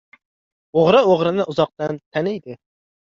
• O‘g‘ri o‘g‘rini uzoqdan taniydi.